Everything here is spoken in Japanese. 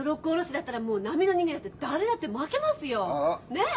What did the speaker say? ねえ？